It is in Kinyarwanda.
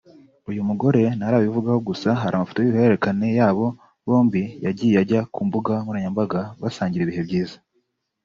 uyu mugore ntarabivugaho gusa hari amafoto y’uruhererekane yabo bombi yagiye ajya ku mbuga nkoranyambaga basangira ibihe byiza